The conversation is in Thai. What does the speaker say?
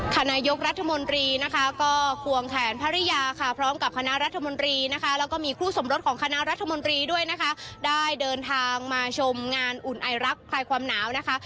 คณะยกรัฐมนตรีนะคะก็ควงแขนภรรยาค่ะพร้อมกับคณะรัฐมนตรีนะคะแล้วก็มีคู่สมรสของคณะรัฐมนตรีด้วยนะคะ